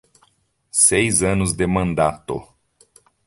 Seis anos de mandato